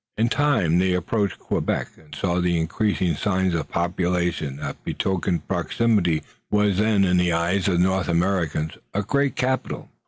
In time they approached Quebec, and saw the increasing signs of population that betokened proximity to what was then in the eyes of North Americans a great capital.